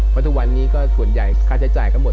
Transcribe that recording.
เพราะทุกวันนี้ก็ส่วนใหญ่ค่าใช้จ่ายก็หมด